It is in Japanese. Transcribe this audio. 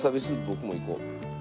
僕もいこう。